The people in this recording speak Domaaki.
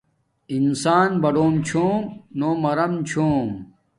انسان باڈم چھوم نو مرم چھوم